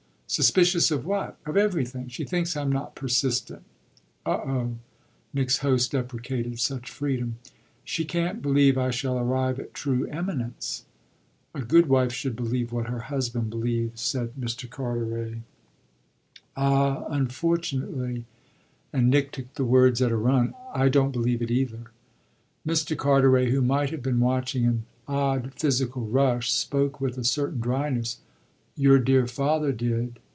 "Suspicious of what?" "Of everything. She thinks I'm not persistent." "Oh, oh!" Nick's host deprecated such freedom. "She can't believe I shall arrive at true eminence." "A good wife should believe what her husband believes," said Mr. Carteret. "Ah unfortunately" and Nick took the words at a run "I don't believe it either." Mr. Carteret, who might have been watching an odd physical rush, spoke with a certain dryness. "Your dear father did."